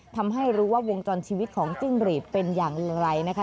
ทำให้รู้ว่าวงจรชีวิตของจิ้งหรีดเป็นอย่างไรนะคะ